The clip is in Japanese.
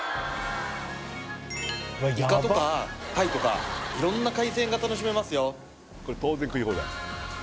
イカとか鯛とかいろんな海鮮が楽しめますよ